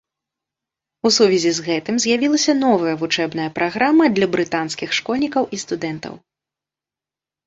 У сувязі з гэтым з'явілася новая вучэбная праграма для брытанскіх школьнікаў і студэнтаў.